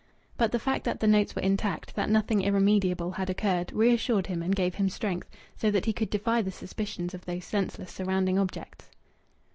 But the fact that the notes were intact, that nothing irremediable had occurred, reassured him and gave him strength, so that he could defy the suspicions of those senseless surrounding objects.